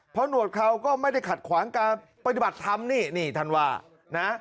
เพราะหนวดเขาก็ไม่ได้ขัดขวางการปฏิบัติธรรมนี่นี่ท่านว่านะ